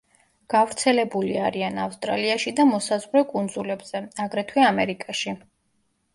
გავრცელებული არიან ავსტრალიაში და მოსაზღვრე კუნძულებზე, აგრეთვე ამერიკაში.